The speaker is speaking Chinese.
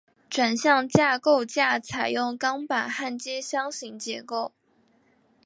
转向架构架采用钢板焊接箱型结构。